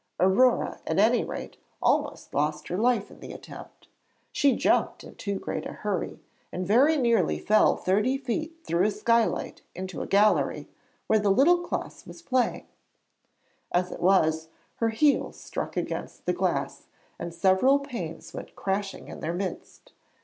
Aurore, at any rate, almost lost her life in the attempt. She jumped in too great a hurry, and very nearly fell thirty feet through a skylight into a gallery where the little class were playing. As it was, her heel struck against the glass, and several panes went crashing in their midst.